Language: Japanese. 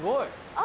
あ！